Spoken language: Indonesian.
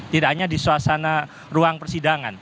tidak hanya di suasana ruang persidangan